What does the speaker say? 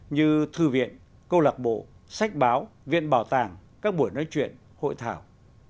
như thư viện câu lạc bộ sách báo viện bảo tàng các buổi nói chuyện hội thảo